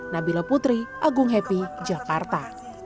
nabila putri agung happy jakarta